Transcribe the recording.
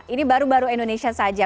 ini baru baru indonesia saja